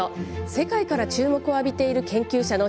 世界から注目を浴びている研究者